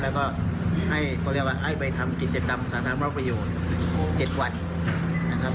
แล้วก็ให้ไปทำกิจกรรมสถานธรรมประโยชน์๗วันนะครับ